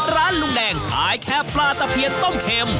ลุงแดงขายแค่ปลาตะเพียนต้มเข็ม